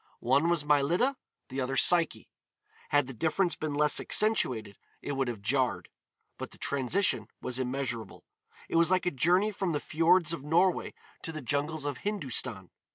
One was Mylitta, the other Psyche. Had the difference been less accentuated, it would have jarred. But the transition was immeasurable. It was like a journey from the fjords of Norway to the jungles of Hindustan.